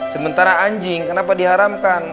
sementara anjing kenapa diharamkan